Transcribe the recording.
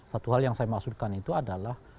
satu hal yang saya maksudkan itu adalah